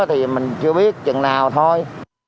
thì mình chưa biết chừng nào thôi